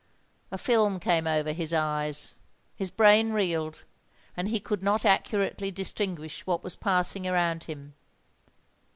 A film came over his eyes—his brain reeled—and he could not accurately distinguish what was passing around him.